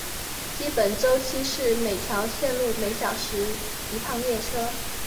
基本周期是每条线路每个小时一趟列车。